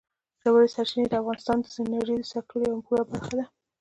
ژورې سرچینې د افغانستان د انرژۍ د سکتور یوه پوره برخه ده.